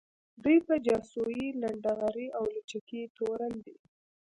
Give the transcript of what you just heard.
دوی په جاسوۍ ، لنډغري او لوچکۍ تورن دي